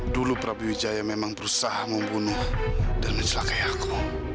dulu prabi wijaya memang berusaha membunuh dan mencelakai aku